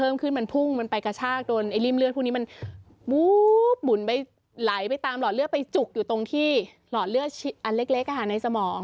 มุ้บหมุนไปไหลไปตามหลอดเลือดไปจุกอยู่ตรงที่หลอดเลือดอันเล็กในสมอง